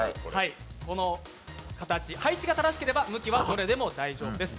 この形、配置が正しければ、向きはどちらでも大丈夫です。